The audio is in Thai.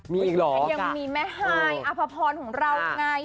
ยังมีแม่ไห้อภพรของเรายังไง